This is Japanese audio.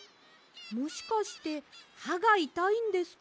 もしかしてはがいたいんですか？